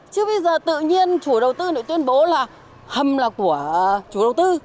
chứ bây giờ tự nhiên chủ đầu tư lại tuyên bố là hầm là của chủ đầu tư